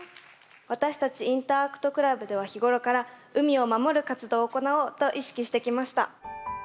私たちインターアクトクラブでは日頃から海を守る活動を行おうと意識してきました。